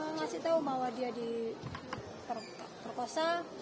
ngasih tahu bahwa dia diperkosa